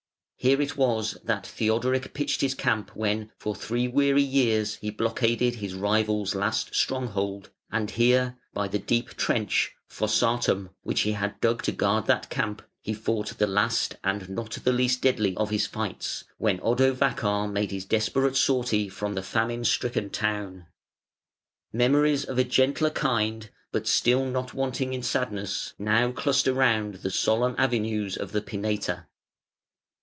Here it was that Theodoric pitched his camp when for three weary years he blockaded his rival's last stronghold, and here by the deep trench (fossatum), which he had dug to guard that camp, he fought the last and not the least deadly of his fights, when Odovacar made his desperate sortie from the famine stricken town. Memories of a gentler kind, but still not wanting in sadness, now cluster round the solemn avenues of the Pineta.